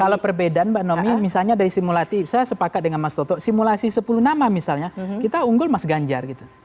kalau perbedaan mbak nomi misalnya dari simulasi saya sepakat dengan mas toto simulasi sepuluh nama misalnya kita unggul mas ganjar gitu